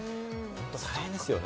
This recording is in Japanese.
大変ですよね。